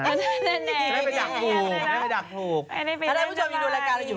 ถ้าแล้วพวกคุณผู้ชมยังดูแลกานแล้วอยู่